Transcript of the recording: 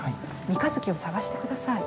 三日月を探して下さい。